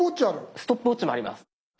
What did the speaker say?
ストップウォッチもあります。